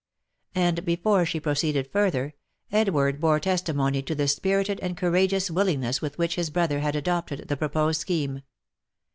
And before she proceeded further, Edward bore testimony to the spirited and courageous willingness with which his brother had adopted the proposed scheme.